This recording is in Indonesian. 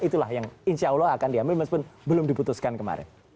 itulah yang insya allah akan diambil meskipun belum diputuskan kemarin